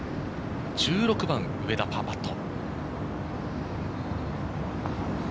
１６番、上田のパーパット。